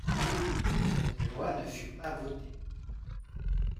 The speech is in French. Cette loi ne fut pas votée.